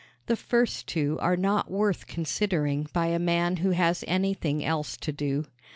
The first two are not worth considering by a man who has anything else to do.